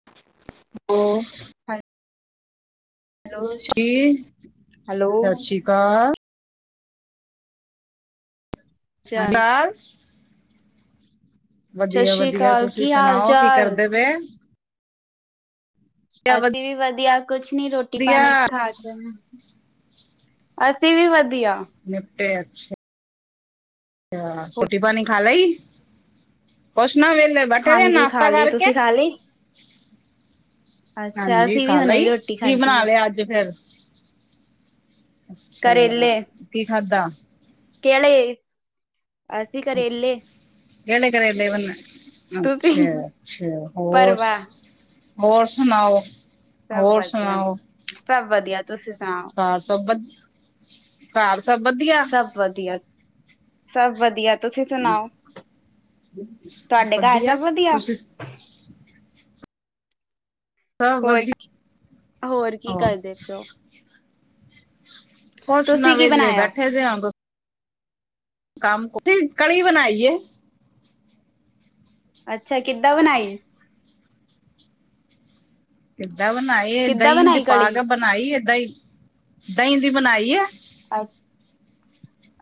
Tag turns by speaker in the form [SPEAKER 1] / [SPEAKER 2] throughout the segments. [SPEAKER 1] [unintelligible]
[SPEAKER 2] ਹਾਂਜੀ
[SPEAKER 1] ਕੀ
[SPEAKER 2] ਹੈਲੋ।
[SPEAKER 1] ਸਤਿ ਸ੍ਰੀ ਅਕਾਲ
[SPEAKER 2] ਚੱਲ
[SPEAKER 1] [unintelligible]
[SPEAKER 2] ਸਤਿ ਸ੍ਰੀ
[SPEAKER 1] ਵਦੀਆ-ਵਦੀਆ
[SPEAKER 2] ਅਕਾਲ,
[SPEAKER 1] ਤੁਸੀਂ
[SPEAKER 2] ਕੀ ਹਾਲ
[SPEAKER 1] ਸੁਨਾਓ, ਕੀ
[SPEAKER 2] ਚਾਲ?
[SPEAKER 1] ਕਰਦੇ ਪਏ ਵਧੀਆ
[SPEAKER 2] ਅਸੀਂ ਵੀ ਵਦੀਆ, ਕੁਛ ਨੀ, ਰੋਟੀ
[SPEAKER 1] ਵਧੀਆ
[SPEAKER 2] ਪਾਨੀ ਖਾ ਕੇ ਅਸੀਂ ਵੀ ਵਦੀਆ
[SPEAKER 1] ਨਿਪਟੇ ਅੱਛ ਅੱ ਰੋਟੀ ਪਾਨੀ ਖਾ ਲਈ, ਕੁਛ ਨਾ ਵੇਲੇ ਬੈਠੇ ਦੇ ਆ
[SPEAKER 2] ਹਾਂਜੀ ਖਾ
[SPEAKER 1] ਨਾਸ਼ਤਾ
[SPEAKER 2] ਲਈ,
[SPEAKER 1] ਕਰਕੇ
[SPEAKER 2] ਤੁਸੀਂ ਖਾ ਲਈ? ਅੱਛਾ,
[SPEAKER 1] ਹਾਂਜੀ
[SPEAKER 2] ਅਸੀਂ ਵੀ
[SPEAKER 1] ਖਾ
[SPEAKER 2] ਹੁਣੇ ਹੀ
[SPEAKER 1] ਲਈ
[SPEAKER 2] ਰੋਟੀ
[SPEAKER 1] ਕੀ
[SPEAKER 2] ਖਾਧੀ
[SPEAKER 1] ਬਨਾ
[SPEAKER 2] ਹੈ,
[SPEAKER 1] ਲਿਆ ਅੱਜ ਫੇਰ ਅੱਛਾ, ਕੀ ਖਾਧਾ
[SPEAKER 2] ਕੇਹੜੇ ਕਰੇਲੇ
[SPEAKER 1] ਕਿਹੜੇ ਕਰੇਲੇ ਬਨੇ
[SPEAKER 2] ਤੁਸੀਂ
[SPEAKER 1] ਅੱਛਾ ਅੱਛਾ ਹੋਰ
[SPEAKER 2] ਪਰਵਾ,
[SPEAKER 1] ਹੋਰ ਸੁਨਾਓ
[SPEAKER 2] ਸਭ
[SPEAKER 1] ਹੋਰ
[SPEAKER 2] ਵਧੀਆ,
[SPEAKER 1] ਸੁਨਾਓ
[SPEAKER 2] ਸਭ ਵਧੀਆ, ਤੁਸੀਂ ਸੁਣਾਓ?
[SPEAKER 1] ਘਰ ਸਭ ਵਦੀਆ ਘਰ ਸਭ ਵਦੀਆ-
[SPEAKER 2] ਵਦੀਆ ਸਭ ਵਦੀਆ ਤੁਹਾਡੇ ਘਰ
[SPEAKER 1] ਵਦੀਆ
[SPEAKER 2] ਸਭ ਵਧੀਆ?
[SPEAKER 1] ਤੁਸੀਂ ਹਾਂ ਵ
[SPEAKER 2] ਹੋਰ,
[SPEAKER 1] [inaudible]
[SPEAKER 2] ਹੋਰ ਕੀ ਕਰਦੇ ਪਏ ਓ।
[SPEAKER 1] ਕੁਛ ਨਾਂ
[SPEAKER 2] ਤੁਸੀਂ ਕੀ
[SPEAKER 1] ਵਿਹਲੇ
[SPEAKER 2] ਬਣਾਇਆ?
[SPEAKER 1] ਬੈਠੇ ਜ ਆ [inaudible] ਕੜੀ ਬਣਾਈਏ।
[SPEAKER 2] ਅੱਛਾ, ਕਿੱਦਾਂ ਬਣਾਈ।
[SPEAKER 1] ਕਿੱਦਾਂ ਬਣਾਈ,
[SPEAKER 2] ਕਿੱਦਾਂ
[SPEAKER 1] ਦਹੀਂ
[SPEAKER 2] ਬਣਾਈ
[SPEAKER 1] ਪਾ ਕੇ
[SPEAKER 2] ਕਲੀ?
[SPEAKER 1] ਬਣਾਈ ਏ ਇਦਾਂ ਹੀ, ਦਹੀਂ ਦੀ ਬਣਾਈਂ ਐ।
[SPEAKER 2] ਅੱ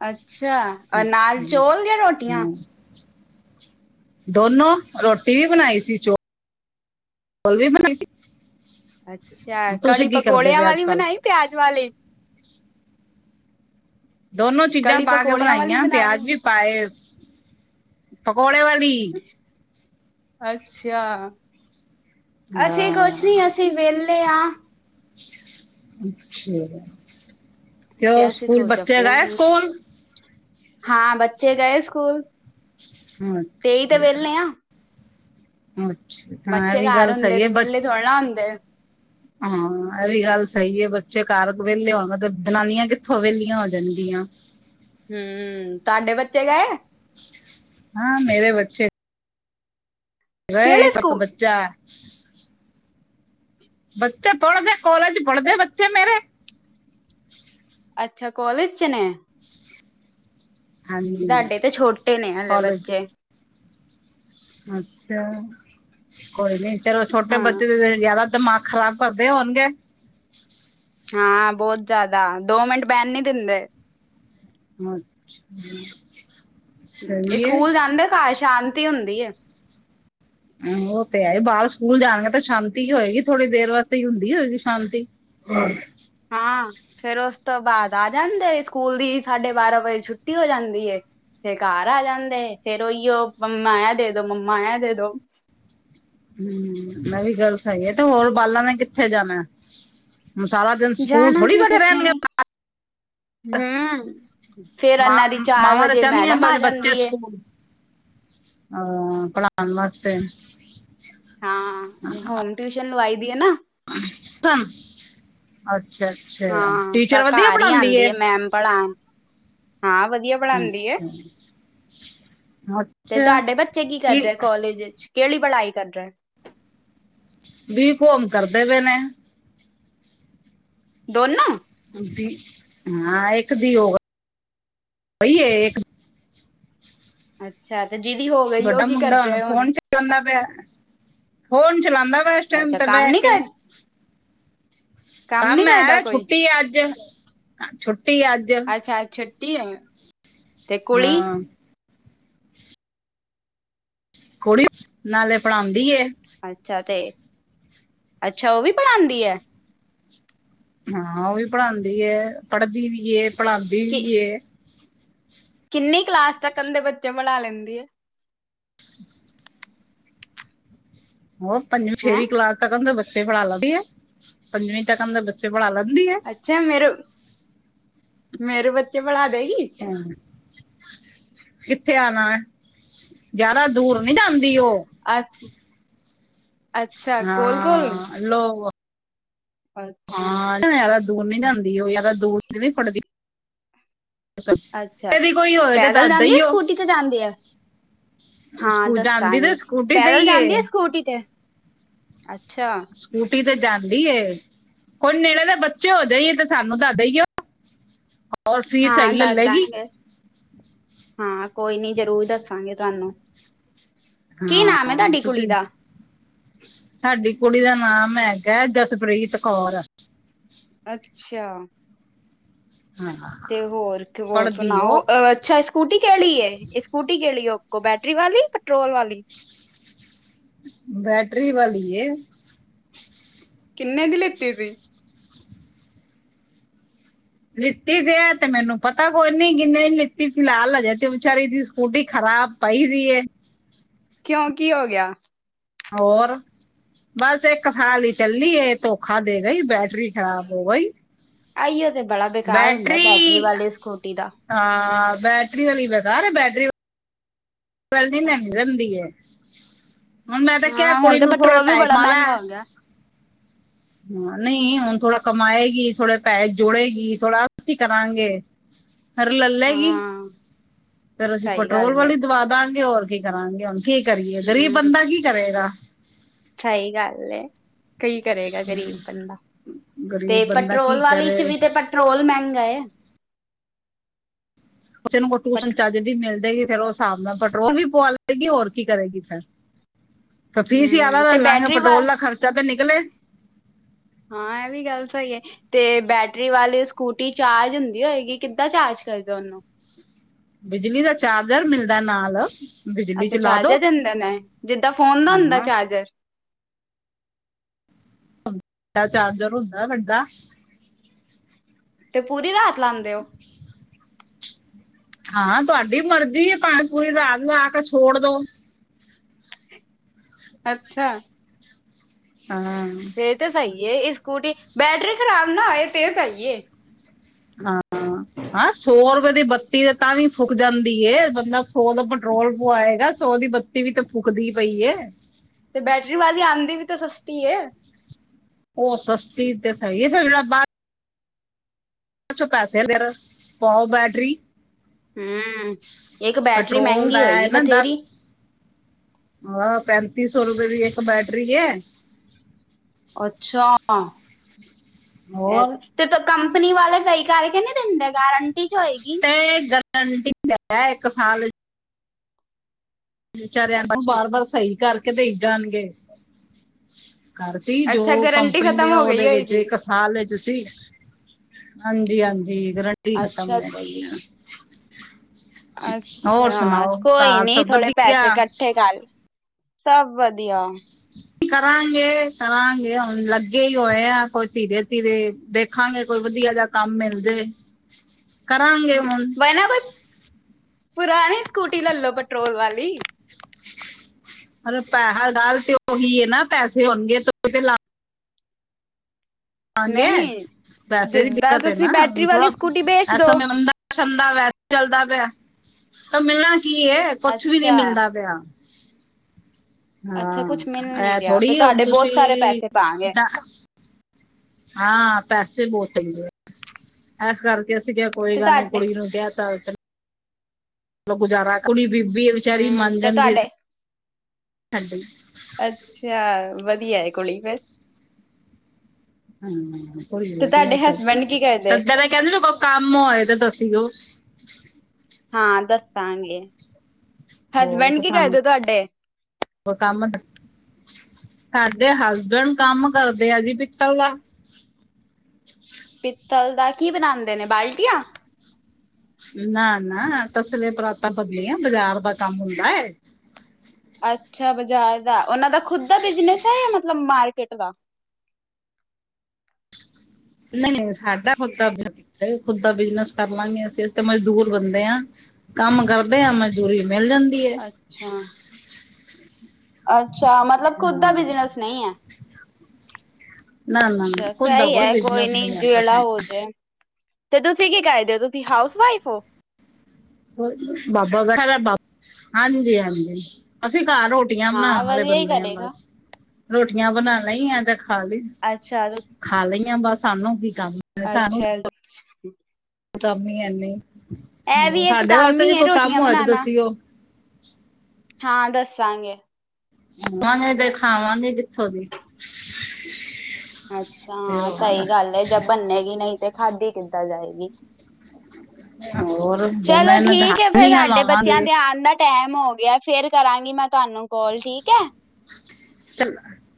[SPEAKER 2] ਅੱਛਾ, ਨਾਲ ਚੋਲ ਕੇ ਰੋਟੀਆਂ।
[SPEAKER 1] ਦੋਨੋ, ਰੋਟੀ ਵੀ ਬਣਾਈ ਸੀ, ਚੋ ਚੋਲ ਵੀ ਬਣਾਏ ਸੀ।
[SPEAKER 2] ਅੱਛਾ, ਕਲੀ
[SPEAKER 1] ਤੁਸੀਂ ਕੀ ਕਰਦੇ
[SPEAKER 2] ਪਕੌੜਿਆਂ
[SPEAKER 1] ਪਏ ਅੱਜ
[SPEAKER 2] ਵਾਲੀ
[SPEAKER 1] ਕੱਲ
[SPEAKER 2] ਬਣਾਈ, ਪਿਆਜ ਵਾਲੀ।
[SPEAKER 1] ਦੋਨੋ ਚੀਜ਼ਾਂ
[SPEAKER 2] ਕਲੀ
[SPEAKER 1] ਪਾ ਕੇ
[SPEAKER 2] ਪਕੌੜਿਆਂ
[SPEAKER 1] ਬਣਾਈ
[SPEAKER 2] ਵਾਲੀ
[SPEAKER 1] ਆਂ
[SPEAKER 2] ਬਣਾਏ,
[SPEAKER 1] ਪਿਆਜ ਵੀ। ਪਾਏ, ਪਕੌੜੇ ਵਾਲੀ।
[SPEAKER 2] ਅੱਛਾ, ਅਸੀਂ
[SPEAKER 1] ਹਾਂ
[SPEAKER 2] ਕੁਛ ਨੀ ਅਸ। ਅਸੀਂ ਵਿਹਲੇ ਆਂ।
[SPEAKER 1] ਅੱਛਾ,
[SPEAKER 2] ਤੇ
[SPEAKER 1] ਕਿਉਂ
[SPEAKER 2] ਅਸੀਂ
[SPEAKER 1] ਸਕੂਲ
[SPEAKER 2] ਸੋਚਿਆ
[SPEAKER 1] ਬੱਚੇ ਗਏ
[SPEAKER 2] ਫੋਨ,
[SPEAKER 1] ਸਕੂਲ।
[SPEAKER 2] ਹਾਂ, ਬੱਚੇ ਗਏ ਸਕੂਲ। ਤੇ ਈ ਤੇ ਵਿਹਲੇ ਆਂ।
[SPEAKER 1] ਅੱਛਾ। ਅੱਛਾ। ਹਾਂ ਇਹ
[SPEAKER 2] ਬੱਚੇ
[SPEAKER 1] ਵੀ
[SPEAKER 2] ਘਰ
[SPEAKER 1] ਗੱਲ
[SPEAKER 2] ਹੁੰਦੇ
[SPEAKER 1] ਸਹੀ ਹੈ
[SPEAKER 2] ਤੇ,
[SPEAKER 1] ਬੱਚ-
[SPEAKER 2] ਵਿਹਲੇ ਥੋੜੇ ਨ ਹੁੰਦੇ।
[SPEAKER 1] ਹਾਂ ਐ ਵੀ ਗੱਲ ਸਹੀ ਐ, ਬੱਚੇ ਘਰ ਵਿਹਲੇ ਹੋਣ ਗੇ ਤੇ, ਜਨਾਨੀਆਂ ਕਿੱਥੋਂ ਵਿਹਲੀਆਂ ਹੋ ਜਾਂਨਗੀਆਂ।
[SPEAKER 2] ਹਮਮ, ਤੁਹਾਡੇ ਬੱਚੇ ਗਏ।
[SPEAKER 1] ਹਾਂ, ਮੇਰੇ ਬੱਚੇ। ਗਏ
[SPEAKER 2] ਕਿਹੜੇ
[SPEAKER 1] ਇਕ
[SPEAKER 2] ਸਕੂਲ?
[SPEAKER 1] ਬੱਚਾ। ਬੱਚੇ ਪੜ੍ਹਦੇ, ਕੋਲੇਜ ਪੜ੍ਹਦੇ ਬੱਚੇ ਮੇਰੇ।
[SPEAKER 2] ਅੱਛਾ, ਕੌਲਜ ਚ ਨੇ।
[SPEAKER 1] ਹਾਂਜੀ
[SPEAKER 2] ਸਾਡੇ ਤੇ ਛੋਟੇ ਨੇ ਹਾਲੇ
[SPEAKER 1] ਕਾਲਜ
[SPEAKER 2] ਬੱਚੇ।
[SPEAKER 1] ਅੱਛਾ, ਕੋਈ ਨੀ ਚਲੋ ਛੋਟੇ
[SPEAKER 2] ਹਾਂ,
[SPEAKER 1] ਬੱਚੇ ਦੇ ਜ਼ਿਆਦਾ। ਦਮਾਗ ਖ਼ਰਾਬ ਕਰਦੇ ਹੋਣਗੇ।
[SPEAKER 2] ਹਾਂ ਬਹੁਤ ਜ਼ਿਆਦਾ, ਦੋ ਮਿੰਟ ਬੈਣ ਨੀਂ ਦਿੰਦੇ।
[SPEAKER 1] ਅੱਛਾ। [inaudible]
[SPEAKER 2] ਏ
[SPEAKER 1] ਸਹੀ ਹੈ
[SPEAKER 2] ਸਕੂਲ ਜਾਂਦੇ ਘਰ ਸ਼ਾਂਤੀ ਹੁੰਦੀ ਏ।
[SPEAKER 1] ਹਮ, ਉਹ ਤੇ ਹੈ ਬਾਹਰ ਸਕੂਲ ਜਾਣਗੇ ਤਾਂ ਸ਼ਾਂਤੀ ਈ ਹੋਏਗੀ, ਥੋੜੀ ਦੇਰ ਵਾਸਤੇ ਈ ਹੁੰਦੀ ਹੋਏਗੀ ਸ਼ਾਂਤੀ। ਹੋਰ [inaudible]
[SPEAKER 2] ਹਾਂ, ਫੇਰ ਉਸ ਤੋਂ ਬਾਅਦ ਆ ਜਾਂਦੇ ਨੇ, ਸਕੂਲ ਦੀ ਸਾਢੇ ਬਾਰਾਂ ਵਜੇ ਛੁੱਟੀ ਹੋ ਜਾਂਦੀ ਏ। ਫੇਰ ਘਰ ਆ ਜਾਂਦੇ, ਫੇਰ ਉਹੀਓ, ਮੰਮਾ ਐ ਦੇ ਦੋ, ਮੰਮਾ ਐਆ ਦੇ ਦੋ।
[SPEAKER 1] ਹਮ, ਇਹ ਵੀ ਗੱਲ ਸਹੀ ਹੈ ਤੇ ਹੋਰ ਬਾਲਾਂ ਨੇ ਕਿੱਥੇ ਜਾਣਾ ਐ। ਹੁਣ ਸਾਰਾ ਦਿਨ ਸਕੂਲ
[SPEAKER 2] ਜਾਣਾ
[SPEAKER 1] ਥੋੜ੍ਹੀ
[SPEAKER 2] ਤੇ
[SPEAKER 1] ਬੈਠੇ
[SPEAKER 2] ਕਿੱਥੇ
[SPEAKER 1] ਰਹਿਣਗੇ।
[SPEAKER 2] ਨੀ ਹਮ ਫੇਰ
[SPEAKER 1] ਮਾ
[SPEAKER 2] ਇਹਨਾਂ ਦੀ ਚਾਰ
[SPEAKER 1] ਮਾਵਾਂ ਤਾਂ
[SPEAKER 2] ਵਜੇ
[SPEAKER 1] ਚਾਹੁੰਦੀਆਂ
[SPEAKER 2] ਮੈਡਮ ਆ
[SPEAKER 1] ਬ ਬੱਚੇ
[SPEAKER 2] ਜਾਂਦੀ ਹੈ
[SPEAKER 1] ਸਕੂਲ। ਆਂ ਪੜਾਣ ਵਾਸਤੇ।
[SPEAKER 2] ਹਾਂ, ਹੋਮ ਟਿਊਸ਼ਨ ਲਵਾਈ ਦੀ ਐ ਨਾ।
[SPEAKER 1] [inaudible] ਅੱਛਾ -ਅੱਛਾ, ਟੀਚਰ ਵਧੀਆ ਪੜ੍ਹਾਦੀ ਏ।
[SPEAKER 2] ਅਨਪੜ੍ਹ ਆਂ। ਹਾਂ ਵਧੀਆ। ਪੜ੍ਹਾਦੀ ਐ,
[SPEAKER 1] ਅੱਛਾ
[SPEAKER 2] ਤੇ
[SPEAKER 1] ਅੱਛਾ
[SPEAKER 2] ਤੁਹਾਡੇ ਬੱਚੇ ਕੀ ਕਰਦੇ ਆ ਕਾਲੇਜ ਵਿੱਚ। ਕਿਹੜੀ ਪੜਾਈ ਕਰ ਰੇ।
[SPEAKER 1] ਬੀ-ਕੌਮ ਕਰਦੇ ਪਏ ਨੇ।
[SPEAKER 2] ਦੋਨੋਂ
[SPEAKER 1] ਹਾਂਜੀ, ਹਾਂ ਇੱਕ ਦੀ ਉਹ ਪਈ ਏ ਇੱਕ
[SPEAKER 2] ਅੱਛਾ ਤੇ ਜਿਹਦੀ ਹੋ ਗਈ ਉਹ ਕੀ ਕਰਦਾ ਹੁਣ?
[SPEAKER 1] ਕਿ ਆਉਂਦਾ ਪਿਆ, ਫੋਨ ਚਲਾਂਦਾ ਪਿਆ ਇਸ ਟਾਈਮ
[SPEAKER 2] ਅੱਛਾ
[SPEAKER 1] ਤੇ
[SPEAKER 2] ਕੰਮ
[SPEAKER 1] ਬਹਿ
[SPEAKER 2] ਨੀ
[SPEAKER 1] ਕੇ।
[SPEAKER 2] ਕਰ ਨੀ
[SPEAKER 1] ਕੰਮ
[SPEAKER 2] ਕਰਦਾ
[SPEAKER 1] ਐ
[SPEAKER 2] ਕੋਈ
[SPEAKER 1] ਛੁੱਟੀ ਐ ਅੱਜ ਛੁੱਟੀ ਆ ਅੱਜ।
[SPEAKER 2] ਅੱਛਾ ਛੁੱਟੀ ਆ, ਤੇ
[SPEAKER 1] ਹਾਂ
[SPEAKER 2] ਕੁੜੀ।
[SPEAKER 1] ਕੁੜੀ, ਨਾਲੇ ਪੜਾਂਦੀ ਏ।
[SPEAKER 2] ਅੱਛਾ ਤੇ, ਅੱਛਾ ਉਹ ਵੀ ਪੜ੍ਹਾਂਦੀ ਐ?
[SPEAKER 1] ਹਾਂ ਉਹ ਵੀ ਪੜ੍ਹਾਂਦੀ ਐ ਪੜ੍ਹਦੀ ਵੀ ਏ ਪੜ੍ਹਾਂਦੀ
[SPEAKER 2] ਕਿ
[SPEAKER 1] ਵੀ ਏ।
[SPEAKER 2] ਕਿੰਨੀ ਕਲਾਸ ਤੱਕਣ ਦੇ ਬੱਚੇ ਪੜ੍ਹਾ ਲੈਂਦੀ ਐ?
[SPEAKER 1] ਉਹ ਪੰਜਵੀਂ
[SPEAKER 2] ਹੈਂ
[SPEAKER 1] ਛੇਵੀ ਕਲਾਸ ਤੱਕਣ ਦੇ ਬੱਚੇ ਪੜ੍ਹਾ ਲੈਦੀ ਏ ਪੰਜਵੀਂ ਤੱਕਣ ਦੇ ਬੱਚੇ ਬੱਚੇ ਪੜਾ ਲੈਂਦੀ ਏ।
[SPEAKER 2] ਤਾਂ ਮੇਰੇ, ਮੇਰੇ ਬੱਚੇ ਪੜ੍ਹਾ ਦੇ ਗੀ?
[SPEAKER 1] ਕਿੱਥੇ ਆਣਾ ਏ, ਜਾਂ ਜਿਆਦਾ ਦੂਰ ਨੀ ਜਾਂਦੀ ਉਹ।
[SPEAKER 2] ਅ ਅੱਛਾ
[SPEAKER 1] ਹਾਂ
[SPEAKER 2] ਕੋਲ ਕੋਲ
[SPEAKER 1] ਆ ਲੋ
[SPEAKER 2] ਅੱਛਾ
[SPEAKER 1] ਹਾਂ ਐ ਤਾਂ ਹੈਗਾ ਦੂਰ ਨੀ ਜਾਂਦੀ ਉਹ ਜ਼ਿਆਦਾ ਦੂਰ ਨੀ ਪੜਦੀ।
[SPEAKER 2] ਅੱਛਾ,
[SPEAKER 1] ਕੋਈ ਹੋਏ ਤਾਂ
[SPEAKER 2] ਪੈਦਲ
[SPEAKER 1] ਦੱਸਦਾ
[SPEAKER 2] ਜਾਂਦੀ ਆ
[SPEAKER 1] ਹੀ ਉਹ
[SPEAKER 2] ਸਕੂਟੀ ਤੇ ਜਾਂਦੀ ਆ? ਹਾਂ
[SPEAKER 1] ਸਕੂਲ ਜਾਂਦੀ ਤੇ
[SPEAKER 2] ਦੱਸਾਂਗੀ,
[SPEAKER 1] ਸਕੂਟੀ ਤੇ
[SPEAKER 2] ਪੈਦਲ
[SPEAKER 1] ਹੀ
[SPEAKER 2] ਜਾਂਦੀ
[SPEAKER 1] ਏ
[SPEAKER 2] ਆ ਸਕੂਟੀ ਤੇ ਅੱਛਾ।
[SPEAKER 1] ਸਕੂਟੀ ਤੇ ਜਾਂਦੀ ਏ। ਹੁਣ ਨੇੜੇ ਦੇ ਬੱਚੇ ਹੋ ਜਾਈਏ ਤੇ ਸਾਨੂੰ ਦੱਸ ਦਈਓ, ਹੋਰ ਫੀਸ
[SPEAKER 2] ਹਾਂ
[SPEAKER 1] ਇਹੀ
[SPEAKER 2] ਦੱਸ
[SPEAKER 1] ਲੈਲੇਗੀ।
[SPEAKER 2] ਦਾਂਗੇ ਹਾਂ ਕੋਈ ਨੀ ਜ਼ਰੂਰ ਦੱਸਾਂਗੇ ਤੁਹਾਨੂੰ। ਕੀ ਨਾਮ ਹੈ
[SPEAKER 1] ਹਾਂ
[SPEAKER 2] ਤੁਹਾਡੀ ਕੁੜੀ
[SPEAKER 1] ਤੁਸੀਂ
[SPEAKER 2] ਦਾ?
[SPEAKER 1] ਸਾਡੀ ਕੁੜੀ ਦਾ ਨਾਮ ਹੈਗਾ ਜਸਪ੍ਰੀਤ ਕੌਰ।
[SPEAKER 2] ਅੱਛਾ। ਤੇ ਹੋਰ ਕਿਵੇਂ ਹੋ
[SPEAKER 1] ਪੜ੍ਹਦੀ
[SPEAKER 2] ਸੁਣਾਓ
[SPEAKER 1] ਉਹ
[SPEAKER 2] ਅ ਅੱਛਾ ਸਕੂਟੀ ਕਿਹੜੀ ਏ, ਸਕੂਟੀ ਕਿਹੜੀ ਹੈ ਉਹ ਕੋ ਬੈਟਰੀ ਵਾਲੀ ਪੈਟਰੋਲ ਵਾਲੀ?
[SPEAKER 1] ਬੈਟਰੀ ਵਾਲੀ ਏ।
[SPEAKER 2] ਕਿੰਨੇ ਦੀ ਲੇਤੀ ਪਈ?
[SPEAKER 1] ਲਿੱਤੀ ਤੇ ਹੈ ਤੇ ਮੈਨੂੰ ਪਤਾ ਕੋਈ ਨੀ ਕਿੰਨੇ ਦੀ ਲਿੱਤੀ ਫਿਲਹਾਲ ਹਜੇ ਤੇ ਵਿਚਾਰੀ ਦੀ ਸਕੂਟੀ ਖਰਾਬ ਪਈ ਦੀ ਏ।
[SPEAKER 2] ਕਿਉਂ ਕੀ ਹੋ ਗਿਆ?
[SPEAKER 1] ਹੋਰ, ਬਸ ਇੱਕ ਸਾਲ ਹੀ ਚੱਲੀ ਏ ਧੋਖਾ ਦੇ ਗਈ ਬੈਟਰੀ। ਖਰਾਬ ਹੋ ਗਈ।
[SPEAKER 2] ਆਈਓ ਤੇ ਬੜਾ ਬੇਕਾਰ ਹੁੰਦਾ
[SPEAKER 1] ਬੈਟਰੀ
[SPEAKER 2] ਵਾਲੇ ਸਕੂਟੀ ਦਾ
[SPEAKER 1] ਹਾਂ ਬੈਟਰੀ ਵਾਲੀ ਬੇਕਾਰ ਏ ਬੈਟਰੀ ਵਾਲੀ ਨੀ ਲੈਣੀ ਰਹਿੰਦੀ ਏ। ਹੁਣ ਮੈਂ ਤਾਂ ਕਿਹਾ
[SPEAKER 2] ਹਾਂ ਹੁਣ
[SPEAKER 1] ਕੁੜੀ
[SPEAKER 2] ਤੇ
[SPEAKER 1] ਨੂੰ ਥੋੜੇ
[SPEAKER 2] ਪੈਟਰੋਲ ਵੀ
[SPEAKER 1] ਪੈਸੇ
[SPEAKER 2] ਬੜਾ
[SPEAKER 1] ਕਮਾ ਲੈ।
[SPEAKER 2] ਮਹਿੰਗਾ ਹੋ ਗਿਆ [inaudible]
[SPEAKER 1] ਹਾਂ ਨਹੀਂ ਹੁਣ ਥੋੜਾ ਕਮਾਏਗੀ ਥੋੜੇ ਪੈਸੇ ਜੋੜੇਗੀ ਥੋੜਾ ਅਸੀਂ ਕਰਾਂਗੇ। ਫਿਰ ਲੈ ਲੈਗੀ,
[SPEAKER 2] ਹਾਂ
[SPEAKER 1] ਫਿਰ ਅਸੀਂ
[SPEAKER 2] ਸਹੀ
[SPEAKER 1] ਪੈਟਰੋਲ
[SPEAKER 2] ਗੱਲ ਏ
[SPEAKER 1] ਵਾਲੀ ਦੇਵਾਂਦਾਗੇ ਹੋਰ ਕੀ ਕਰਾਂਗੇ ਹੁਣ ਕੀ ਕਰੀਏ ਗ਼ਰੀਬ
[SPEAKER 2] ਹਮ
[SPEAKER 1] ਬੰਦਾ ਕੀ ਕਰੇਗਾ।
[SPEAKER 2] ਸਹੀ ਗੱਲ ਏ। ਕੀ ਕਰੇਗਾ ਗਰੀਬ ਬੰਦਾ,
[SPEAKER 1] ਗਰੀਬ
[SPEAKER 2] ਤੇ
[SPEAKER 1] ਬੰਦਾ
[SPEAKER 2] ਪੈਟਰੋਲ
[SPEAKER 1] ਕੀ
[SPEAKER 2] ਵਾਲੀ 'ਚ
[SPEAKER 1] ਕਰੇ
[SPEAKER 2] ਵੀ ਤੇ ਪੈਟ ਪੈਟਰੋਲ ਮਹਿੰਗਾ ਏ।
[SPEAKER 1] ਬੱਚੇ ਨੂੰ ਕੋਈ ਟੂਸ਼ਨ
[SPEAKER 2] ਪਟ
[SPEAKER 1] ਚੱਜ ਦੀ ਮਿਲਜੇਗੀ ਫਿਰ ਉਹ ਹਿਸਾਬ ਨਾਲ ਪੈਟਰੋਲ ਵੀ ਪੁਆ ਲਏਗੀ ਹੋਰ ਕੀ ਕਰੇਗੀ ਫਿਰ। ਤੇ ਫੀਸ ਜ਼ਾਦਾ
[SPEAKER 2] ਹਮ ਤੇ
[SPEAKER 1] ਲੱਲਾ ਗੇ,
[SPEAKER 2] ਬੈਟਰੀ
[SPEAKER 1] ਪੈਟਰੋਲ
[SPEAKER 2] ਵੱਲ
[SPEAKER 1] ਦਾ ਖ਼ਰਚਾ ਤੇ ਨਿਕਲੇ।
[SPEAKER 2] ਹਾਂ ਐ ਵੀ ਗੱਲ ਸਈ ਐ। ਤੇ ਬੈਟਰੀ ਵਾਲੀ ਸਕੂਟੀ ਚਾਰਜ ਹੁੰਦੀ ਹੋਏਗੀ, ਕਿੱਦਾਂ ਚਾਰਜ ਕਰਦੇ ਓਨੂੰ।
[SPEAKER 1] ਬਿਜਲੀ ਦਾ ਚਾਰਜਰ ਮਿਲਦਾ ਨਾਲ। ਬਿਜਲੀ
[SPEAKER 2] ਅੱਛਾ
[SPEAKER 1] ਚ ਲਾ ਦੋ
[SPEAKER 2] ਚਾਰਜਰ ਦਿੰਦੇ ਨੇ, ਜਿੱਦਾਂ ਫੋਨ ਦਾ ਹੁੰਦਾ
[SPEAKER 1] ਹਾਂ
[SPEAKER 2] ਚਾਰਜਰ।
[SPEAKER 1] ਵੱੱਡਾ ਚਾਰਜਰ ਹੁੰਦਾ ਵੱਡਾ।
[SPEAKER 2] ਤੇ ਪੂਰੀ ਰਾਤ ਲਾਦੇ ਓ।
[SPEAKER 1] [inaudible] ਹਾਂ ਤੁਆਡੀ ਮਰਜ਼ੀ ਏ ਭਾਵੇ ਪੂਰੀ ਰਾਤ ਲਾ ਕੇ ਛੋੜ ਦੋ।
[SPEAKER 2] ਅੱਛਾ
[SPEAKER 1] ਹਾਂ
[SPEAKER 2] ਏ ਤੇ ਸਈ ਏ ਸਕੂਟੀ ਬੈਟਰੀ ਖ਼ਰਾਬ ਨਾ ਹੋਏ ਤੇ ਫੇਰ ਸਈ ਏ।
[SPEAKER 1] ਹਾਂ ਹਾਂ ਸੌ ਰੁਪਏ ਦੀ ਬੱਤੀ ਤੇ ਤਾਂ ਵੀ ਫੂਕ ਜਾਂਦੀ ਏ, ਬੰਦਾ ਸੌ ਦਾ ਪੈਟਰੋਲ ਪਵਾਏਗਾ ਸੋ ਦੀ ਬੱਤੀ ਵੀ ਤੇ ਫੁਕਦੀ ਪਈ ਏ।
[SPEAKER 2] ਤੇ ਬੈਟਰੀ ਵਾਲੀ ਆਂਦੀ ਵੀ ਤੇ ਸਸਤੀ ਏ।
[SPEAKER 1] ਓ ਸਸਤੀ ਤੇ ਸਈ ਏ ਫੇਰ ਜੜਾ ਬਾ ਚੋਂ ਪੈਸੇ ਫੇਰ ਪਵਾਓ ਬੈਟਰੀ।
[SPEAKER 2] ਹਮ ਇੱਕ ਬੈਟਰੀ
[SPEAKER 1] ਪੈਟਰੋਲ
[SPEAKER 2] ਮਹਿੰਗੀ
[SPEAKER 1] ਦਾ ਐ
[SPEAKER 2] ਹੋਏਗੀ
[SPEAKER 1] ਨਾ ਦ
[SPEAKER 2] ਬਥੇਰੀ
[SPEAKER 1] ਵਾ ਪੈਂਤੀ ਸੌ ਰੁਪਏ ਦੀ ਇੱਕ ਬੈਟਰੀ ਏ।
[SPEAKER 2] ਅੱਛਾ--ਐ ਤ
[SPEAKER 1] ਹੋਰ
[SPEAKER 2] ਤੇ ਤੇ ਕੰਪਨੀ ਵਾਲੇ ਸਈ ਕਰਕੇ ਨੀ ਦਿੰਦੇ, ਗਾਰੰਟੀ 'ਚ ਹੋਏਗੀ।
[SPEAKER 1] ਗਰੰਟੀ ਹੈ ਇੱਕ ਸਾਲ ਵਚਾਰੇ ਏਨੂੰ
[SPEAKER 2] ਅੱਛਾ
[SPEAKER 1] ਬਾਰ ਬਾਰ ਸਈ ਕਰਕੇ ਦੇਈ ਜਾਣਗੇ। ਕਰ ਜੋ
[SPEAKER 2] ਅੱਛਾ ਗਰੰਟੀ
[SPEAKER 1] ਕੰਪਨੀ ਦੇ
[SPEAKER 2] ਖਤਮ
[SPEAKER 1] ਆ
[SPEAKER 2] ਹੋ ਗਈ
[SPEAKER 1] ਓਦੇ ਵਿੱਚ
[SPEAKER 2] ਹੋਏਗੀ
[SPEAKER 1] ਹਾਲ ਵਿਚ ਤੁਸੀਂ, ਹਾਂਜੀ ਹਾਂਜੀ ਗਰੰ ਟੀ ਖਤਮ
[SPEAKER 2] ਅੱਛਾ
[SPEAKER 1] ਹੋ ਗਈਆਂ।
[SPEAKER 2] ਅੱਛਾ ਕੋਈ ਨੀ
[SPEAKER 1] ਸਭ
[SPEAKER 2] ਥੋੜੇ
[SPEAKER 1] ਵਧੀਆ
[SPEAKER 2] ਪੈਸੇ ਕੱਠੇ ਕਰ, ਸਭ ਵਧੀਆ।
[SPEAKER 1] ਕਰਾਂਗੇ- ਕਰਾਂਗੇ ਹੁਣ ਲੱਗੇ ਈ ਹੋਏ ਆਂ, ਕੋਈ ਧੀਰੇ ਧੀਰੇ ਦੇਖਾਂਗੇ ਕੋਈ ਵਧੀਆ ਜਾ ਕੰਮ ਮਿਲਜੇ।
[SPEAKER 2] [inaudible] ਵੇਨ ਐਵਰ - ਪੁਰਾਣੀ ਸਕੂਟੀ ਲੈਲੋ ਪੈਟਰੋਲ ਵਾਲੀ।
[SPEAKER 1] ਅਰੇ ਪੈਹਾ ਗੱਲ ਤੇ ਓਹੀ ਏ ਨਾ ਪੈਸੇ ਹੋਣਗੇ ਤੋੋਈ ਤੇ ਲ ਵਾਂਗੇ,
[SPEAKER 2] ਨਹੀਂ
[SPEAKER 1] ਪੈਸੇ ਦੀ
[SPEAKER 2] ਜਿੱਦਾਂ
[SPEAKER 1] ਦਿੱਕਤ ਏ
[SPEAKER 2] ਤੁਸੀਂ
[SPEAKER 1] ਨਾ,
[SPEAKER 2] ਬੈਟਰੀ
[SPEAKER 1] ਹੁਣ ਥੋੜਾ
[SPEAKER 2] ਵਾਲੀ ਸਕੂਟੀ ਵੇਚ
[SPEAKER 1] ਐ
[SPEAKER 2] ਦੋ
[SPEAKER 1] ਸਮੇਂ ਮੰਦਾ ਸੰਦਾ ਵੈਸੇ ਚੱਲਦਾ ਪਿਆ, ਤਾਂ ਮਿਲਣਾ ਕੀ ਏ ਕੁਛ ਵੀ ਨੀ
[SPEAKER 2] ਅੱਛਾ
[SPEAKER 1] ਮਿਲਦਾ ਪਿਆ।
[SPEAKER 2] ਅੱਛਾ ਕੁੱਛ ਮਿਲ
[SPEAKER 1] ਹਾਂ
[SPEAKER 2] ਨੀ
[SPEAKER 1] ਐ
[SPEAKER 2] ਰਿਆ, ਫਿਰ
[SPEAKER 1] ਥੋੜੀ ਹੁਣ
[SPEAKER 2] ਤਾਡੇ ਬੋਤ
[SPEAKER 1] ਤੁਸੀਂ
[SPEAKER 2] ਸਾਰੇ ਪੈਸੇ ਪਾਂਗੇ।
[SPEAKER 1] ਦਾ- ਹਾਂ ਪੈਸੇ ਬੋਤ ਪੈਂਦੇ। ਐਸ ਕਰਕੇ ਅਸੀਂ ਕਿਆ ਕੋਈ
[SPEAKER 2] ਤੇ
[SPEAKER 1] ਗੱਲ ਨੀ
[SPEAKER 2] ਤੁਹਾਡੇ
[SPEAKER 1] ਕੁੜੀ ਨੂੰ ਕੈ ਤਾ ਵੇ। ਗੁੁਜਾਰਾ ਕਰ ਕੁੜੀ ਬੀਬੀ ਏ ਵਿਚਾਰੀ
[SPEAKER 2] ਹਮ
[SPEAKER 1] ਮੰਨ
[SPEAKER 2] ਤੇ
[SPEAKER 1] ਜਾਂਦੀ
[SPEAKER 2] ਤੁਹਾਡੇ
[SPEAKER 1] [unintelligible]
[SPEAKER 2] ਅੱਛਾ ਵਧੀਆ ਏ ਕੁੜੀ ਫੇਰ।
[SPEAKER 1] ਹਾਂਜੀ ਹਾਂਜੀ ਕੁੜੀ
[SPEAKER 2] ਤੇ
[SPEAKER 1] ਵਧੀਆ ਏ
[SPEAKER 2] ਤੁਹਾਡੇ
[SPEAKER 1] ਤਾਡੀ,
[SPEAKER 2] ਹਸਬੈਂਡ ਕੀ ਕਰਦੇ
[SPEAKER 1] ਤਦੇ ਤੇ ਕੈਂਦੀ ਕੋਈ ਕੰਮ ਹੋਏ ਤੇ ਦੱਸੀਓ।
[SPEAKER 2] ਹਾਂ ਦੱਸਾਂਗੇ।
[SPEAKER 1] ਹੋਰ ਤੇ
[SPEAKER 2] ਹਸਬੈਂਡ ਕੀ
[SPEAKER 1] ਸਾਨੂੰ,
[SPEAKER 2] ਕਰਦੇ ਤੁਹਾਡੇ
[SPEAKER 1] ਕੋਈ ਕੰਮ ਸਾਡੇ ਹਸਬੈਂਡ ਕੰਮ ਕਰਦੇ ਆ ਜੀ ਪਿੱਤਲ ਦਾ।
[SPEAKER 2] ਪਿੱਤਲ ਦਾ ਕੀ ਬਨਾਂਦੇ ਨੇ ਬਾਲਟੀਆਂ।
[SPEAKER 1] ਨਾ-ਨਾ ਤਸਲੇ ਪਰਾਤਾਂ ਬਨਦੀਆਂ ਬਾਜ਼ਾਰ ਦਾ ਕੰਮ ਹੁੰਦਾ ਏ।
[SPEAKER 2] ਅੱਛਾ ਬਜਾਰ ਦਾ, ਉਨਾਂ ਦਾ ਖੁੱਦ ਦਾ ਬਿਜਨਸ ਏ, ਯਾਂ ਮਤਲਬ ਮਾਰਕੀਟ ਦਾ।
[SPEAKER 1] ਨਈ ਸਾਡਾ ਖੁਦ ਦਾ ਖੁਦ ਦਾ ਬਿਜਨਸ ਕਰ ਲਾਂਗੇ ਅਸੀਂ ਅੇ ਮਜ਼ਦੂਰ ਬੰਦੇ ਆਂ। ਕੰਮ ਕਰਦੇ ਆ ਮਜਦੂਰੀ ਮਿਲ ਜਾਂਦੀ ਏ।
[SPEAKER 2] ਅੱਛਾ ਅੱਛਾ ਮਤਲਬ ਖੁਦ ਦਾ
[SPEAKER 1] ਹਾਂ
[SPEAKER 2] ਬਿਜਨਸ ਨਈ ਏ।
[SPEAKER 1] ਨਾ ਨਾ ਨਾ
[SPEAKER 2] ਅੱਛਾ!
[SPEAKER 1] ਖੁਦ ਦਾ
[SPEAKER 2] ਸਈ ਆ ਕੋਈ
[SPEAKER 1] ਬਿਜ਼ਨਸ
[SPEAKER 2] ਨੀ
[SPEAKER 1] ਨਹੀਂ ਹੈ
[SPEAKER 2] ਜੇੜਾ
[SPEAKER 1] ਪਸੰਦ
[SPEAKER 2] ਹੋ ਜੇ। ਤੇ ਤੁਸੀਂ ਕੀ ਕਰਦੇ ਓ? ਤੁਸੀਂ ਹਾਊਸ ਵਈਫ ਹੋ।
[SPEAKER 1] ਬਾਬਾ ਬੈਠਾ ਬਾ ਹਾਂਜੀ-ਹਾਂਜੀ ਅਸੀਂ ਘਰ ਰੋਟ ਰੋਟੀਆਂ ਬਨਾਨ
[SPEAKER 2] ਹਾਂ
[SPEAKER 1] ਆਲੇ ਵਾਲੇ
[SPEAKER 2] ਵਧੀਆ ਹੀ
[SPEAKER 1] ਬੰਦੇ ਆ
[SPEAKER 2] ਕਰੇਗਾ।
[SPEAKER 1] ਬਸ, ਰੋਟੀਆਂ ਬਨਾ ਲਈ ਆ ਤੇ ਖਾ ਲਈ
[SPEAKER 2] ਅੱਛਾ! ਰੁ
[SPEAKER 1] ਖਾ ਲਈਆਂ ਬਸ ਸਾਨੂੰ ਕੀ ਕੰਮ। ਹੈ, ਸਾਨੂੰ
[SPEAKER 2] ਅੱਛਾ-ਅੱਛ
[SPEAKER 1] ਕੰਮ ਈ ਹੈਨੀ।
[SPEAKER 2] ਇਹ ਵੀ ਇੱਕ
[SPEAKER 1] ਸਾਡੇ
[SPEAKER 2] ਕੰਮ
[SPEAKER 1] ਵਾਸਤੇ
[SPEAKER 2] ਹੀ
[SPEAKER 1] ਜੇ
[SPEAKER 2] ਹੈ
[SPEAKER 1] ਕੋਈ ਕੰਮ
[SPEAKER 2] ਰੋਟੀਆਂ
[SPEAKER 1] ਹੋਇਆ
[SPEAKER 2] ਬਣਾਉਣਾ।
[SPEAKER 1] ਦੱਸੀਉ।
[SPEAKER 2] ਹਾਂ ਦੱਸਾਂਗੇ।
[SPEAKER 1] ਖਾਵਾਗੇ ਕਿੱਥੋਂ ਦੀ। ਤੇ
[SPEAKER 2] ਅੱਛਾ,
[SPEAKER 1] ਹੋਰ
[SPEAKER 2] ਸਈ ਗੱਲ ਏ ਜਬ ਬੰਨੇਗੀ ਨੀ ਤੇ ਖਾਦੀ ਕਿੱਦਾਂ ਜਾਏਗੀ।
[SPEAKER 1] ਹੋਰ।
[SPEAKER 2] ਚਲੋ
[SPEAKER 1] ਜਮੈਨ
[SPEAKER 2] ਠੀਕ ਏ ਫੇਰ
[SPEAKER 1] ਧਾਨੀਆਂ
[SPEAKER 2] ਸਾਡੇ ਬੱਚਿਆਂ
[SPEAKER 1] ਲਾਵਾਂਗੇ
[SPEAKER 2] ਦੇ ਆਨ ਦਾ ਟੈਮ ਹੋ ਗਿਐ ਫੇਰ ਕਰਾਂਗੀ ਮੈਂ ਤੁਆਨੂੰ। ਕੌਲ ਠੀਕ ਐ।
[SPEAKER 1] [inaudible]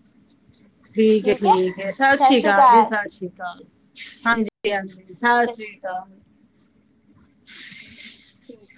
[SPEAKER 1] ਠੀਕ ਏ ਠੀਕ ਏ ਸਾਸ
[SPEAKER 2] ਸਤਿ
[SPEAKER 1] ਸੀ
[SPEAKER 2] ਸ਼੍ਰੀ
[SPEAKER 1] ਕਾਲ ਜੀ,
[SPEAKER 2] ਅਕਾਲ।
[SPEAKER 1] ਸਾਸ ਸੀ ਕਾਲ। ਹਾਂਜੀ-ਹਾਂਜੀ ਸਾਸ
[SPEAKER 2] ਸਤਿ
[SPEAKER 1] ਸ੍ਰੀ ਕਾਲ।
[SPEAKER 2] ਠੀਕ।